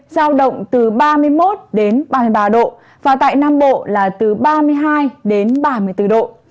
giao động từ ba mươi một đến ba mươi ba độ và tại nam bộ là từ ba mươi hai đến ba mươi bốn độ